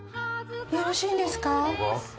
よろしいんですか？